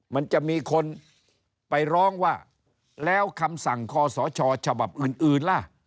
มันจะมีคนไปร้องว่าแล้วคำสั่งคอสชฉบับอื่นล่ะ